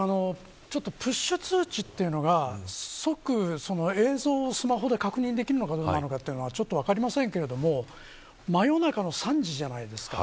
プッシュ通知というのが即、映像をスマホで確認できるのか分かりませんけど真夜中の３時じゃないですか。